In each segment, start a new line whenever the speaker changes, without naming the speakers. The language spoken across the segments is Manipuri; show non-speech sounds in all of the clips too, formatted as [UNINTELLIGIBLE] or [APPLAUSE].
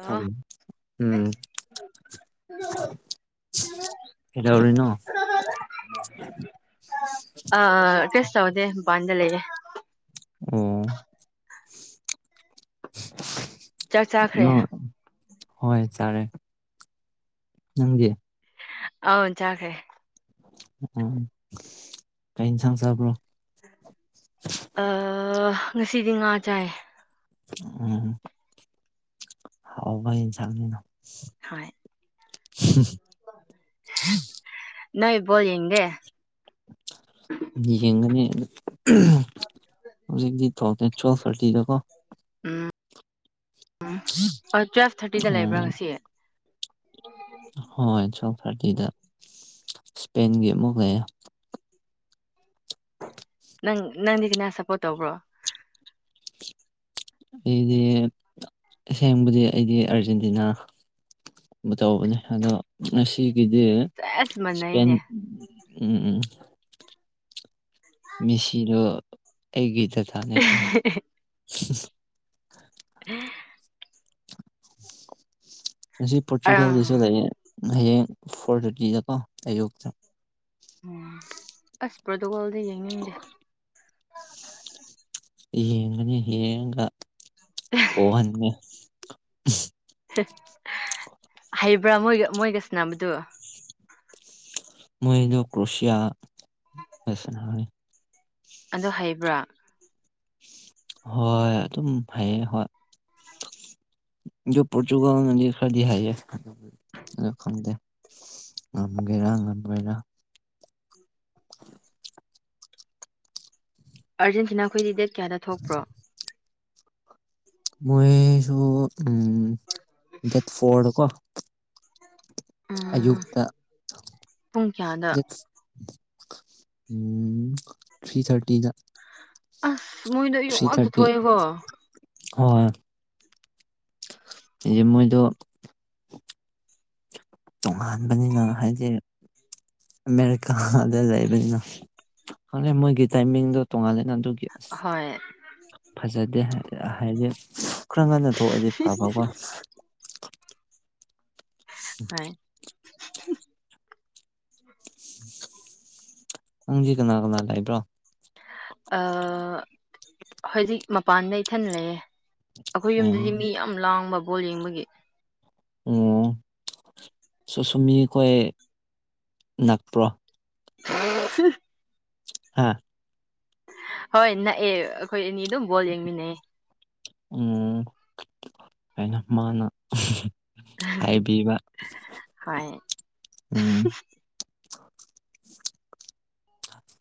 ꯑꯥ
ꯊꯝꯃꯦ ꯎꯝ
[UNINTELLIGIBLE]
ꯀꯩꯗꯧꯔꯤꯅꯣ
[UNINTELLIGIBLE] ꯑ ꯀꯔꯤꯁꯨ ꯇꯧꯗꯦ ꯃꯄꯥꯟꯗ ꯂꯩꯌꯦ꯫
ꯎꯝ
ꯆꯥꯛ ꯆꯥꯈ꯭ꯔꯦ
ꯅꯣ ꯍꯣꯏ ꯆꯥꯔꯦ ꯅꯪꯗꯤ
ꯑꯥ ꯆꯥꯈ꯭ꯔꯦ
ꯎꯝ ꯀꯩ ꯏꯟꯁꯥꯡ ꯆꯥꯕ꯭ꯔꯣ
ꯑꯥ ꯉꯁꯤꯗꯤ ꯉꯥ ꯆꯥꯏꯌꯦ
ꯎꯝ ꯍꯥꯎꯕ ꯏꯟꯁꯥꯡꯅꯤꯅ
ꯍꯣꯏ
ꯍ [UNINTELLIGIBLE]
ꯅꯣꯏ ꯕꯣꯜ ꯌꯦꯡꯗꯦ
ꯌꯦꯡꯒꯅꯤ ꯍꯧꯖꯤꯛꯇꯤ ꯊꯣꯛꯇꯦ ꯇꯨꯋꯦꯜꯐ ꯊꯥꯔꯇꯤꯗꯀꯣ
ꯎꯝ ꯎꯝ ꯍꯣꯢ ꯇꯨꯋꯦꯞ ꯊꯥꯔꯇꯤꯗ ꯂꯩꯕ꯭ꯔꯥ
ꯎꯝ
ꯉꯁꯤ
ꯍꯣꯏ ꯇꯨꯋꯦꯞ ꯊꯥꯔꯇꯤꯗ ꯏꯁꯄꯦꯟꯒꯤ ꯑꯃꯨꯛ ꯂꯩꯌꯦ
ꯅꯪ ꯅꯪꯗꯤ ꯀꯅꯥ ꯁꯞꯄꯣꯔꯠ ꯇꯧꯕ꯭ꯔꯣ
ꯑꯩꯗꯤ ꯑꯁꯦꯡꯕꯗꯤ ꯑꯩꯗꯤ ꯑꯔꯖꯦꯟꯇꯤꯅꯥ ꯇꯧꯕꯅꯦ ꯑꯗꯣ ꯉꯁꯤꯒꯤꯗꯤ
ꯁꯦꯁ
ꯢꯁꯄꯦꯟ
ꯃꯥꯟꯅꯩꯅꯦ
ꯎꯝ ꯃꯦꯁꯤꯗꯣ ꯑꯩꯒꯤ ꯗꯗꯥꯅꯦ ꯀꯩꯅꯣ ꯉꯁꯤ
ꯑꯥ
ꯄꯣꯔꯇꯨꯒꯥꯜꯒꯤꯁꯨ ꯂꯩꯌꯦ ꯍꯌꯦꯡ ꯐꯣꯔ ꯊꯥꯔꯇꯤꯗꯀꯣ ꯑꯌꯨꯛꯇ
ꯎꯝ ꯑꯁ ꯄ꯭ꯔꯣꯇꯣꯀꯣꯜꯗꯤ ꯌꯦꯡꯅꯤꯡꯗꯦ ꯑ [INAUDIBLE]
ꯌꯦꯡꯒꯅꯤ ꯌꯦꯡꯉꯒ ꯄꯣꯛꯍꯟꯅꯤ
ꯍꯩꯕ꯭ꯔꯥ ꯃꯣꯏꯒ ꯃꯣꯏꯒ ꯁꯥꯟꯅꯕꯗꯣ
ꯃꯣꯏꯗꯣ ꯀ꯭ꯔꯣꯁꯤꯌꯥꯁꯒ ꯁꯥꯟꯅꯩ
ꯑꯗꯨ ꯍꯩꯕ꯭ꯔꯥ
ꯍꯣꯏ ꯑꯗꯨꯝ ꯍꯩꯌꯦ ꯍꯣꯏ ꯑꯗꯣ ꯄꯣꯔꯇꯨꯒꯥꯜꯅꯗꯤ ꯈꯔ ꯍꯩꯌꯦ ꯑ ꯈꯪꯗꯦ ꯉꯝꯒꯦꯔꯥ ꯉꯝꯃꯣꯏꯔꯥ
ꯑꯥꯔꯦꯟꯇꯤꯅꯥ ꯈꯣꯏꯗꯤ ꯗꯦꯠ ꯀꯌꯥꯗ ꯊꯣꯛꯄ꯭ꯔꯣ
ꯃꯣꯏꯁꯨ ꯗꯦꯠ ꯐꯣꯔꯗ ꯀꯣ
ꯎꯝ
ꯑꯌꯨꯛꯇ
ꯄꯨꯡ ꯀꯌꯥꯗ
ꯗꯦꯠ ꯎꯝ ꯊ꯭ꯔꯤ ꯊꯥꯔꯇꯤꯗ
ꯑꯁ ꯃꯣꯏꯗꯣ ꯑꯌꯨꯛ
ꯊ꯭ꯔꯤ
ꯉꯥꯛꯇ
ꯊꯥꯔꯇꯤ
ꯊꯣꯛꯑꯦꯀꯣ
ꯍꯣꯏ ꯃꯣꯏꯗꯣ ꯇꯣꯉꯥꯟꯕꯅꯤꯅ ꯍꯥꯏꯗꯤ ꯑꯃꯦꯔꯤꯀꯥꯗ ꯂꯩꯕꯅꯤꯅ ꯈꯪꯗꯦ ꯃꯣꯏꯒꯤ ꯇꯥꯏꯃꯤꯡꯗꯣ ꯇꯣꯉꯥꯜꯂꯦꯅ ꯑꯗꯨꯒꯤ ꯑꯁ
ꯍꯣꯏ
ꯐꯖꯗꯦ ꯍꯥꯏ ꯍꯥꯏꯗꯤ ꯈꯔ ꯉꯟꯅ ꯊꯣꯛꯑꯗꯤ ꯐꯕ ꯒꯣ
ꯍꯣꯢ
ꯅꯪꯗꯤ ꯀꯅꯥ ꯀꯅꯥ ꯂꯩꯥꯕ꯭ꯔꯣ
ꯍꯧꯖꯤꯛ ꯃꯄꯥꯟꯗ ꯏꯊꯜ ꯂꯩꯑꯦ ꯑꯩꯈꯣꯏ ꯌꯨꯝꯗꯗꯤ ꯃꯤ
ꯎꯝ
ꯌꯥꯝ ꯂꯥꯡꯕ ꯕꯣꯜ ꯌꯦꯡꯕꯒꯤ
ꯑꯣ ꯁꯨꯁꯨꯝꯃꯤ ꯈꯣꯏ ꯅꯥꯛꯄ꯭ꯔꯣ
ꯑ [UNINTELLIGIBLE]
ꯍꯥ
ꯍꯣꯏ ꯅꯛꯑꯦ ꯑꯩꯈꯣꯏ ꯑꯅꯤ ꯑꯗꯨꯝ ꯕꯣꯜ ꯌꯦꯡꯃꯤꯟꯅꯌꯦ
ꯎꯝ ꯍꯥꯏꯅ ꯃꯥꯅ ꯍꯥꯏꯕꯤꯕ
ꯍꯣꯏ
ꯎꯝ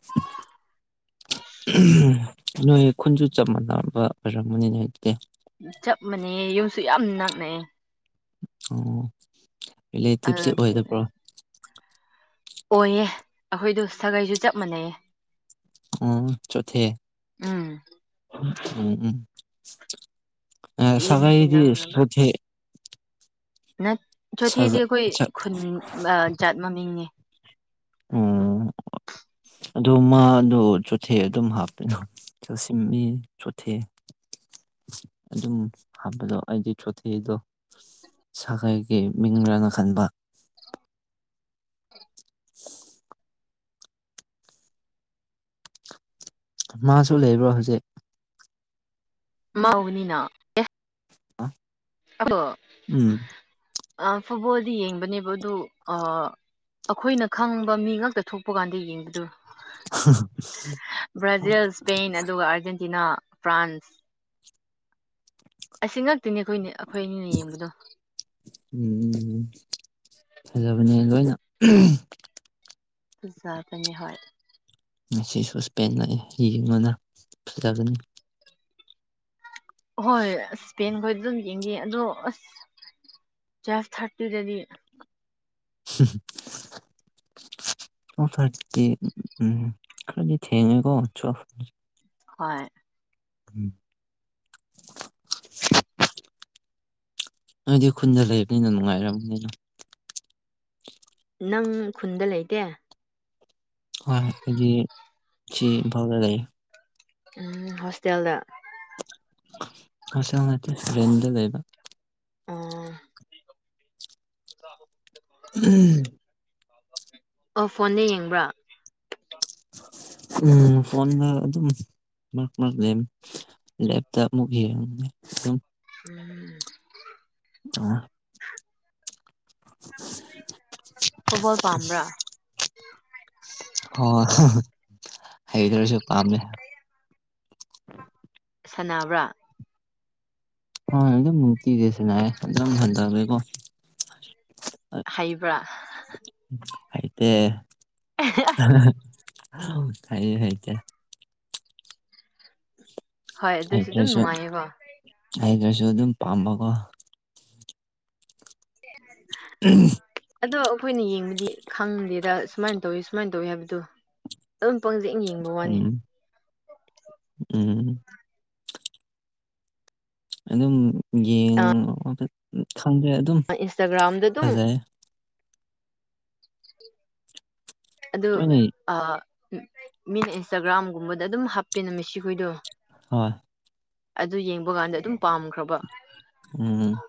[UNINTELLIGIBLE] ꯅꯣꯏ ꯈꯨꯟꯁꯨ ꯆꯞ ꯃꯥꯟꯅꯕ ꯑꯣꯏꯔꯝꯒꯅꯤꯅꯦ ꯑꯗꯨꯗꯤ
ꯆꯞ ꯃꯥꯟꯅꯌꯦ ꯌꯨꯝꯁꯨ ꯌꯥꯝ ꯅꯛꯅꯌꯦ
ꯑꯣ ꯔꯤꯂꯦꯇꯤꯞꯇꯤ ꯑꯣꯏꯗꯕ꯭ꯔꯣ
ꯑꯣꯏꯌꯦ ꯑꯩꯈꯣꯏꯗꯣ ꯁꯥꯒꯩꯁꯨ ꯆꯞ ꯃꯥꯟꯅꯩꯌꯦ
ꯑꯣ ꯆꯣꯊꯦ
ꯎꯝ
ꯎꯝ ꯎꯝ ꯑ
ꯌꯨꯝꯁꯨ
ꯁꯒꯥꯏꯗꯤ ꯊꯦ
ꯅ ꯆꯣꯊꯦꯗꯤ
ꯁꯥꯒ
ꯑꯩꯈꯣꯏ
ꯁꯛ
ꯈꯨꯟ ꯖꯥꯠ ꯃꯃꯤꯡꯅꯦ
ꯑꯣ ꯑꯗꯨ ꯃꯥꯗꯣ ꯆꯣꯠꯊꯦ ꯑꯗꯨꯝ ꯍꯥꯞꯄꯤꯅꯣ [UNINTELLIGIBLE] ꯆꯣꯊꯦ ꯑꯗꯨꯝ ꯍꯥꯞꯄꯗꯣ ꯑꯩꯗꯤ ꯆꯣꯊꯦꯗꯣ ꯁꯥꯒꯩꯒꯤ ꯃꯤꯡꯔꯅ ꯈꯟꯕ [UNINTELLIGIBLE] ꯃꯥꯁꯨ ꯂꯩꯕ꯭ꯔꯣ ꯍꯧꯖꯤꯛ
ꯃꯥ ꯎꯒꯅꯤꯅ ꯑꯗꯣ
ꯎꯝ
ꯑ ꯐꯨꯠꯕꯣꯜꯗꯤ ꯌꯦꯡꯕꯅꯦꯕ ꯑꯗꯨ ꯑ ꯑꯩꯈꯣꯏꯅ ꯈꯪꯕ ꯃꯤ ꯉꯛꯇ ꯊꯣꯛꯄ ꯀꯥꯟꯗ ꯌꯦꯡꯕꯗꯨ ꯕ꯭ꯔꯥꯖꯤꯜ ꯏꯁꯄꯦꯟ ꯑꯗꯨꯒ ꯑꯥꯔꯖꯦꯟꯇꯤꯅꯥ ꯐ꯭ꯔꯥꯟꯁ ꯑꯁꯤ ꯅꯛꯇꯅꯦ ꯑꯩꯈꯣꯏꯅꯦ ꯑꯩꯈꯣꯏ ꯑꯅꯤꯅ ꯌꯦꯡꯕꯗꯣ
ꯎꯝ ꯎ ꯐꯖꯕꯅꯦ ꯂꯣꯏꯅ
ꯐꯖꯕꯅꯦ ꯍꯣꯏ
ꯉꯁꯤꯁꯨ ꯁꯄꯦꯟ ꯂꯩꯌꯦ ꯌꯦꯡꯉꯣꯅ ꯐꯖꯕꯅꯦ
ꯍꯣꯏ ꯁꯄꯦꯟ ꯈꯣꯏꯗꯤ ꯑꯗꯨꯝ ꯌꯦꯡꯗꯤ ꯑꯗꯣ ꯑꯁ ꯇꯨꯌꯦꯜꯐ ꯊꯥꯔꯇꯤꯗꯗꯤ
ꯍꯝ ꯑꯣ ꯐꯔꯗꯤ ꯎꯝ ꯈꯔꯗꯤ ꯊꯦꯡꯉꯦꯀꯣ ꯇꯨꯌꯦꯜꯐ
ꯍꯣꯏ
ꯎꯝ
[UNINTELLIGIBLE]
ꯅꯣꯏꯗꯤ ꯈꯨꯟꯗ ꯂꯩꯔꯕꯅꯤꯅ ꯅꯨꯡꯉꯥꯏꯔꯝ ꯒꯅꯤ
ꯅꯪ ꯈꯨꯟꯗ ꯂꯩꯇꯦ
ꯍꯣꯏ ꯑꯩꯗꯤ ꯁꯤ ꯏꯝꯐꯥꯜꯗ ꯂꯩꯌꯦ
ꯎꯝ ꯍꯣꯁꯇꯦꯜꯗ
ꯍꯣꯁꯇꯦꯜ ꯅꯠꯇꯦ ꯔꯦꯟꯗ ꯂꯩꯕ
ꯑꯥ ꯑꯣ ꯐꯣꯟꯗ ꯌꯦꯡꯕ꯭ꯔꯥ
ꯎꯝ ꯐꯣꯟꯗ ꯑꯗꯨꯝ ꯃꯔꯛ ꯃꯔꯛ ꯂꯦꯝ ꯂꯦꯞꯇ ꯑꯃꯨꯛ ꯌꯦꯡꯕꯅꯦ ꯑꯗꯨꯝ
ꯎꯝ
ꯑ [UNINTELLIGIBLE]
ꯐꯨꯠꯕꯜ ꯄꯝꯕ꯭ꯔꯥ
ꯍ ꯍꯩꯗ꯭ꯔꯁꯨ ꯄꯥꯝꯃꯦ
ꯁꯥꯅꯕ꯭ꯔꯥ
ꯍꯣꯢ ꯑꯗꯨꯝ ꯅꯨꯡꯇꯤꯗꯤ ꯁꯥꯅꯥꯏꯌꯦ ꯑꯗꯨꯝ ꯍꯟꯗꯕꯩꯀꯣ
ꯍꯩꯕ꯭ꯔꯥ
ꯍꯩꯇꯦ
[INAUDIBLE]
[UNINTELLIGIBLE] ꯑꯩ ꯍꯩꯇꯦ
ꯍꯣꯏ ꯑꯗꯨꯁꯨ ꯑꯗꯨꯝ
ꯍꯩꯇ꯭ꯔꯁꯨ
ꯅꯨꯡꯉꯥꯏꯌꯦꯀꯣ
ꯍꯩꯇ꯭ꯔꯁꯨ ꯑꯗꯨꯝ ꯄꯥꯝꯕꯀꯣ
[INAUDIBLE]
[INAUDIBLE]
ꯑꯗꯨ ꯑꯩꯈꯣꯏꯅ ꯌꯦꯡꯉꯗꯤ ꯈꯪꯗꯦꯗ ꯁꯨꯃꯥꯏꯅ ꯇꯧꯋꯤ ꯁꯨꯃꯥꯏꯅ ꯇꯧꯋꯤ ꯍꯥꯏꯕꯗꯣ ꯑꯗꯨꯝ ꯄꯪꯖꯦꯛ ꯌꯦꯡꯕ ꯋꯥꯅꯤ
ꯎꯝ ꯎꯝ ꯑꯗꯨꯝ ꯌꯦꯡꯉꯣ ꯈꯪꯗ꯭ꯔꯦ
ꯏꯟꯁꯇꯥꯒ꯭ꯔꯥꯝꯗ ꯑꯗꯨꯝ ꯑꯗꯨ
ꯇꯣꯏꯅ
ꯑ ꯃꯤꯅ ꯏꯟꯁꯇꯥꯒ꯭ꯔꯥꯝꯒꯨꯝꯕꯗ ꯑꯗꯨꯝ ꯍꯥꯞꯄꯦꯅ ꯃꯤꯁꯤꯈꯣꯏꯗꯨ
ꯍꯣꯏ
ꯑꯗꯨ ꯌꯦꯡꯕ ꯀꯥꯟꯗ ꯑꯗꯨꯝ ꯄꯥꯝꯈ꯭ꯔꯕ
ꯎꯝ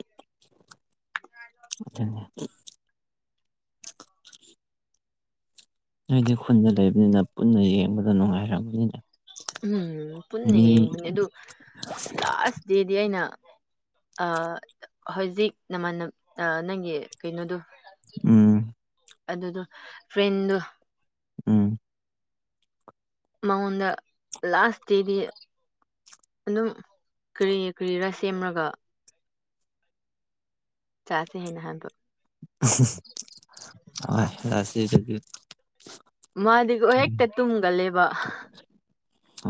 ꯅꯣꯏꯗꯤ ꯈꯨꯟꯗ ꯂꯩꯕꯅꯤꯅ ꯄꯨꯟꯅ ꯌꯦꯡꯕꯗ ꯅꯨꯡꯉꯥꯏꯔꯕꯅꯤꯅ
ꯎꯝ ꯄꯨꯟꯅ ꯌꯦꯡꯕꯅꯦ ꯑꯗꯨ ꯂꯥꯁ ꯗꯦꯗꯤ ꯑꯩꯅ ꯑ ꯍꯧꯖꯤꯛ ꯅꯃꯅ ꯅꯪꯒꯤ ꯀꯩꯅꯣꯗꯣ
ꯎꯝ
ꯑꯗꯨꯗꯣ ꯐ꯭ꯔꯦꯟꯗꯣ
ꯎꯝ
ꯃꯥꯎꯟꯗ ꯂꯥꯁ ꯇꯦꯗꯤ ꯑꯗꯨꯝ ꯀꯔꯤ ꯀꯔꯤꯔꯥ ꯁꯦꯝꯔꯒ ꯆꯥꯁꯦ ꯍꯥꯏꯅ ꯍꯥꯏꯕ
[UNINTELLIGIBLE]
ꯃꯥꯗꯤꯀꯣ ꯍꯦꯛꯇ ꯇꯨꯝꯒꯂꯦꯕ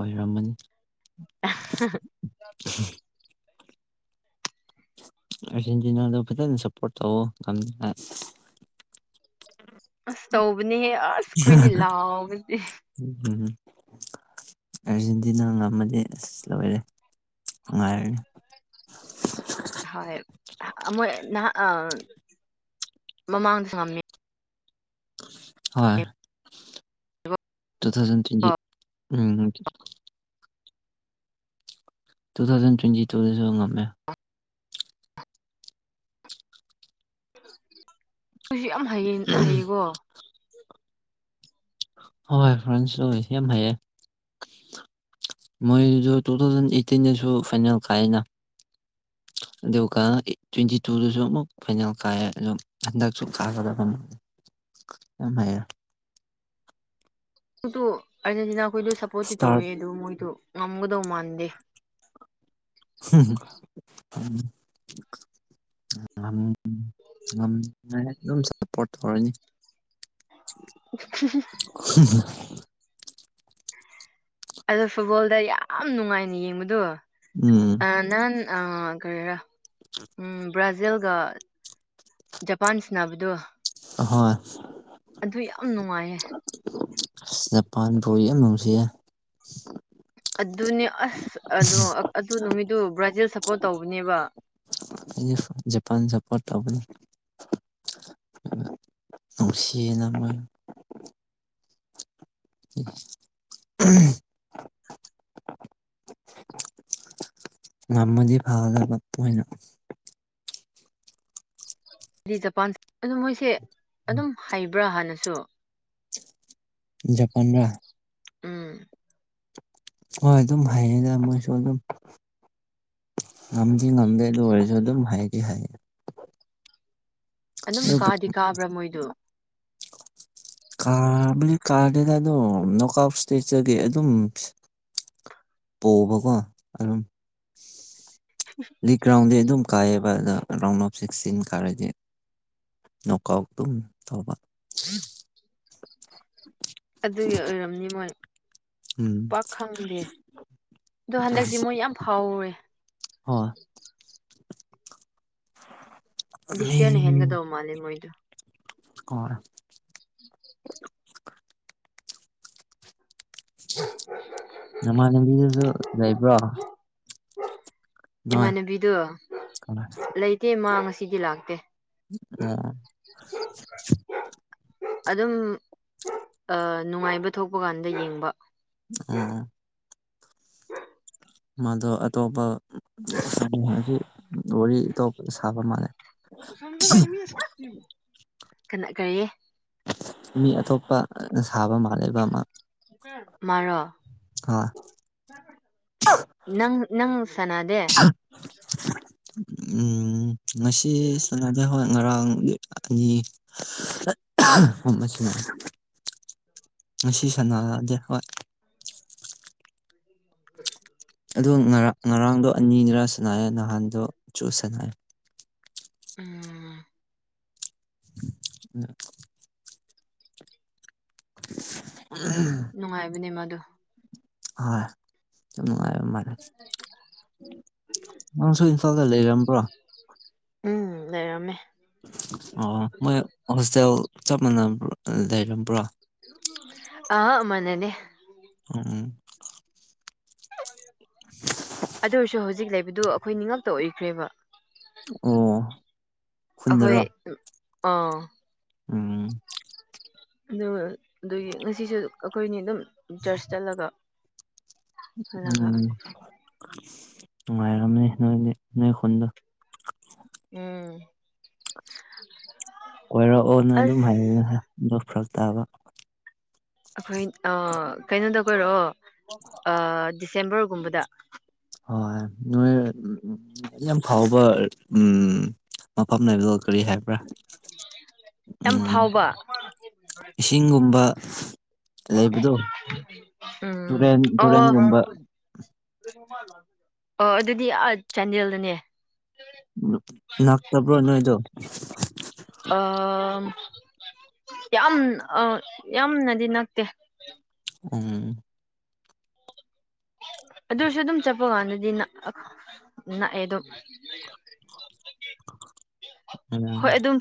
ꯑꯣꯏꯔꯝꯃꯅꯤ
[INAUDIBLE] ꯆ [INAUDIBLE]
ꯑꯥꯔꯖꯦꯟꯇꯤꯅꯥꯗ ꯐꯖꯅ ꯁꯞꯄꯣꯔꯠ ꯇꯧꯑꯣ ꯉꯝ
ꯑꯁ ꯇꯧꯕꯅꯦꯍꯦ ꯑꯁ ꯑꯩꯈꯣꯏꯅꯦ ꯂꯥꯎꯕ
ꯎꯝ ꯍꯨꯝ ꯑꯥꯔꯖꯦꯟꯇꯤꯅꯥ ꯉꯝꯃꯗꯤ ꯑꯁ ꯂꯣꯏꯔꯦ ꯅꯨꯡꯉꯥꯏꯔꯅꯤ
ꯍꯣꯏ ꯃꯣꯏ ꯅꯍ ꯑ ꯃꯃꯥꯡꯗꯁꯨ ꯉꯝꯃꯤ
ꯍ ꯇꯨ ꯊꯥꯎꯖꯟ ꯇ꯭ꯋꯦꯟꯇꯤ ꯎꯝ ꯇꯨ ꯊꯥꯎꯖꯟ ꯇ꯭ꯋꯦꯟꯇꯤ ꯇꯨꯗꯁꯨ ꯉꯝꯃꯦ
[UNINTELLIGIBLE] ꯁꯨ ꯌꯥꯝ ꯍꯩꯌꯦꯟ ꯍꯩꯌꯦꯀꯣ
ꯍꯣꯏ ꯐ꯭ꯔꯦꯟꯁꯁꯨ ꯌꯥꯝ ꯍꯥꯏꯌꯦꯦ ꯃꯣꯏꯗ ꯇꯨ ꯊꯥꯎꯖꯟ ꯑꯩꯠꯇꯤꯟꯗꯁꯨ ꯐꯥꯏꯅꯦꯜ ꯀꯥꯏꯑꯦꯅ ꯑꯗꯨꯒ ꯇ꯭ꯋꯦꯟꯇꯤ ꯇꯨꯗꯁꯨ ꯑꯃꯨꯛ ꯐꯥꯏꯅꯦꯜ ꯀꯥꯏꯌꯦ ꯑꯗꯨ ꯍꯟꯗꯛꯁꯨ ꯀꯥꯒꯗꯕ ꯑꯃꯨꯛ ꯌꯥꯝ ꯍꯥꯏ
ꯑꯗꯨ ꯑꯥꯔꯖꯦꯟꯇꯤꯅꯥ ꯈꯣꯏꯗꯣ ꯁꯞꯄꯣꯔꯠꯇꯤ ꯇꯧꯋꯦ
ꯏꯁꯇꯥꯔ
ꯑꯗꯨ ꯃꯣꯏꯗꯣ ꯉꯝꯒꯗꯧ ꯃꯥꯟꯗꯦ
[UNINTELLIGIBLE] ꯉꯥꯝ [UNINTELLIGIBLE] ꯑꯗꯨꯝ [UNINTELLIGIBLE] ꯁꯞꯄꯣꯔꯠ ꯇꯧꯔꯅꯤ [INAUDIBLE]
[UNINTELLIGIBLE]
[UNINTELLIGIBLE]
ꯑꯗꯣ ꯐꯨꯠꯕꯣꯜꯗ ꯌꯥꯝ ꯅꯨꯡꯉꯥꯏꯅ ꯌꯦꯡꯕꯗꯣ
ꯎꯝ
ꯑꯅꯥꯜ ꯑꯥ ꯀꯔꯤꯔꯥ ꯎꯝ ꯕ꯭ꯔꯥꯖꯤꯜꯒ ꯖꯄꯥꯥꯟꯁ ꯁꯥꯟꯅꯕꯗꯣ
ꯍꯣꯢ
ꯑꯗꯨ ꯌꯥꯝ ꯅꯨꯡꯉꯥꯏꯌꯦ
ꯖꯄꯥꯟ ꯕꯣꯜ ꯌꯥꯝ ꯅꯨꯡꯁꯤꯌꯦ
ꯑꯗꯨꯅꯦ ꯑꯁ ꯑꯗꯨ ꯅꯨꯃꯤꯠꯇꯨ ꯕ꯭ꯔꯥꯖꯤꯜ ꯁꯞꯄꯣꯔꯠ ꯇꯧꯕꯅꯦꯕ
ꯖꯄꯥꯟ ꯁꯄꯣꯔꯠ ꯇꯧꯕꯅꯦ ꯅꯨꯡꯁꯤꯅ ꯃꯣꯢ [UNINTELLIGIBLE] ꯉꯝꯃꯗꯤ ꯐꯒꯗꯕ ꯃꯣꯏꯅ
ꯍꯥꯏꯗꯤ ꯖꯄꯥꯟ ꯑꯗꯨ ꯃꯣꯏꯁꯦ ꯑꯗꯨꯝ ꯍꯩꯕ꯭ꯔꯥ ꯍꯥꯟꯅꯁꯨ
ꯖꯄꯥꯟ ꯔꯥ
ꯎꯝ
ꯍꯣꯏ ꯑꯗꯨꯝ ꯍꯥꯏꯌꯦꯗ ꯃꯣꯏꯁꯨ ꯑꯗꯨꯝ ꯉꯝꯗꯤ ꯉꯝꯗꯦ ꯑꯗꯨ ꯑꯣꯏꯔꯁꯨ ꯑꯗꯨꯝ ꯍꯥꯏꯗꯤ ꯍꯩꯌꯦ
ꯑꯗꯨꯝ
ꯑꯗꯨꯕꯨ
ꯀꯥꯗꯤ ꯀꯥꯕ꯭ꯔꯥ ꯃꯣꯏꯗꯣ
ꯀꯥꯕꯗꯤ ꯀꯥꯔꯗꯦꯗ ꯑꯗꯨꯝ ꯅꯣꯛ ꯑꯥꯎ ꯢꯁꯇꯦꯁ ꯇꯒꯤ ꯑꯗꯨꯝ ꯄꯣꯕꯀꯣ ꯑꯗꯨꯝ ꯂꯤꯛ ꯔꯥꯎꯟꯗꯤ ꯑꯗꯨꯝ ꯀꯥꯏꯌꯦꯕ ꯑꯗꯣ ꯔꯥꯎꯟ ꯑꯣꯐ ꯁꯤꯛꯁꯇꯤꯟ ꯀꯥꯔꯗꯤ ꯅꯣꯛ ꯑꯥꯎꯠ ꯑꯗꯨꯝ ꯇꯧꯕ
ꯑꯗꯨꯒꯤ ꯑꯣꯏꯔꯝꯅꯤ ꯃꯣꯏ
ꯎꯝ
ꯄꯥꯛ ꯈꯪꯗꯦ ꯑꯗꯣ ꯍꯟꯗꯛꯇꯤ ꯃꯣꯏ ꯌꯥꯝ ꯐꯥꯎꯋꯦ
ꯍꯣꯏ
ꯗꯤꯁ
ꯃꯤ
ꯌꯔꯅ ꯍꯦꯟꯒꯗꯧ ꯃꯥꯜꯂꯦ ꯃꯣꯏꯗꯣ
ꯍꯣꯢ ꯅꯃꯥꯟꯅꯕꯤꯒꯁꯨ ꯂꯩꯕ꯭ꯔꯣ ꯅꯣꯏ
ꯏꯃꯥꯟꯅꯕꯤꯗꯣ
ꯀꯅꯥ
ꯂꯩꯇꯦ ꯃꯥ ꯉꯁꯤꯗꯤ ꯂꯥꯛꯇꯦ
[UNINTELLIGIBLE]
[UNINTELLIGIBLE] ꯑꯗꯨꯝ ꯅꯨꯡꯉꯥꯏꯕ ꯊꯣꯛꯄ ꯀꯥꯟꯗ ꯌꯦꯡꯕ
ꯑꯣ ꯃꯥꯗꯣ ꯑꯇꯣꯞꯄ ꯋꯥꯔꯤ ꯑꯇꯣꯞꯄ ꯁꯥꯕ ꯃꯥꯜꯂꯦ
ꯀꯅꯥ ꯀꯔꯤ
ꯃꯤ ꯑꯇꯣꯞꯄꯗ ꯁꯥꯕ ꯃꯥꯜꯂꯦꯕ ꯃꯥ
ꯃꯥꯔꯣ
ꯍꯣꯢ
ꯅꯪ ꯅꯪ ꯁꯅꯥꯗꯦ
[UNINTELLIGIBLE] ꯎꯝ ꯉꯁꯤ ꯁꯅꯗꯦ ꯍꯣꯏ ꯉꯔꯥꯡ [UNINTELLIGIBLE] ꯉꯁꯤ ꯁꯅꯗꯦ ꯍꯣꯏ
[UNINTELLIGIBLE]
ꯑꯗꯨ ꯉꯔꯥꯡ ꯉꯔꯥꯡꯗꯣ ꯑꯅꯤꯅꯤꯔꯥ ꯁꯅꯥꯑꯦ ꯅꯍꯥꯟꯗꯣꯁꯨ ꯁꯅꯥꯑꯦ
ꯎꯝ
[UNINTELLIGIBLE] [UNINTELLIGIBLE]
ꯅꯨꯡꯉꯥꯏꯕꯅꯦ ꯃꯥꯗꯣ
ꯍꯣꯏ ꯗꯨꯝ ꯅꯨꯡꯉꯥꯏ [UNINTELLIGIBLE] ꯅꯪꯁꯨ ꯏꯝꯐꯥꯜꯗ ꯂꯩꯔꯝꯕ꯭ꯔꯣ
ꯎꯝ ꯂꯩꯔꯝꯃꯦ
ꯑꯣ ꯃꯣꯏ ꯍꯣꯁꯇꯦꯜ ꯆꯞ ꯃꯥꯟꯅꯕ ꯂꯩꯔꯝꯕ꯭ꯔ
ꯑ ꯃꯥꯟꯅꯗꯦ
ꯎꯝ ꯎꯝ
ꯑꯗꯨꯁꯨ ꯍꯧꯖꯤꯛ ꯂꯩꯕꯗꯨ ꯑꯩꯈꯣꯏ ꯅꯤꯉꯛꯇ ꯑꯣꯏꯈ꯭ꯔꯦꯕ
ꯑꯣ
ꯑꯈꯣꯏ
ꯈꯨꯟꯗꯔꯣ
ꯑ
ꯎꯝ
ꯑꯗꯨꯒ ꯑꯗꯨꯒꯤ ꯉꯁꯤꯁꯨ ꯑꯩꯈꯣꯏꯅꯤ ꯑꯗꯨꯝ ꯆꯔꯆ ꯆꯠꯂꯒ ꯍꯜꯂꯒ
ꯎꯝ ꯅꯨꯡꯉꯥꯏꯔꯝꯅꯤ ꯅꯣꯏꯗꯤ ꯅꯣꯏ ꯈꯨꯟꯗꯣ
ꯎꯝ
ꯀꯣꯏꯔꯛꯑꯣꯅ ꯑꯗꯨꯝ
ꯑꯁ
[UNINTELLIGIBLE] ꯑꯗꯣ ꯐꯔꯛ ꯇꯥꯕ
ꯑꯈꯣꯏ ꯑ ꯀꯩꯅꯣꯗ ꯀꯣꯏꯔꯛꯑꯣ ꯑ ꯗꯤꯁꯦꯝꯕꯔꯒꯨꯝꯕꯗ
ꯍꯣꯏ ꯅꯣꯏ ꯌꯥꯝ ꯐꯥꯎꯕ ꯎꯝ ꯃꯐꯝ ꯂꯩꯕꯗꯣ ꯀꯔꯤ ꯍꯥꯏꯕ꯭ꯔꯥ
ꯌꯥꯝ
ꯎꯝ
ꯐꯥꯎꯕ
ꯏꯁꯤꯡꯒꯨꯝꯕ ꯂꯩꯕꯗꯣ
ꯎꯝ
ꯇꯨꯔꯦꯟ
ꯑꯣ
ꯇꯨꯔꯦꯟꯒꯨꯝꯕ
ꯑꯣ ꯑꯗꯨꯗꯤ ꯑꯥ ꯆꯥꯟꯗꯦꯜꯗꯅꯦ
ꯅꯥꯥꯛꯇꯕ꯭ꯔꯣ ꯅꯣꯏꯗꯣ
ꯑ ꯌꯥꯝ ꯑ ꯌꯥꯝꯅꯗꯤ ꯅꯛꯇꯦ
ꯎꯝ
ꯑꯗꯨꯁꯨ ꯑꯗꯨꯝ ꯆꯠꯄ ꯀꯥꯟꯗꯗꯤ ꯅꯛ ꯑ ꯅꯛꯑꯦ ꯑꯗꯨꯝ
ꯎꯝ
ꯍꯣꯏ ꯑꯗꯨꯝ